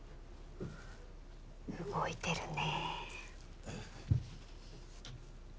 動いてるね。